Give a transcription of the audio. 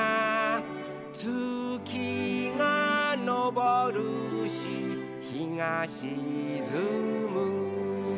「つきがのぼるしひがしずむ」